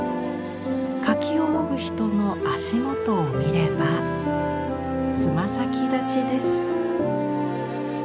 柿をもぐ人の足元を見ればつま先立ちです。